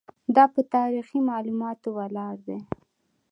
دا په تاریخي معلوماتو ولاړ دی.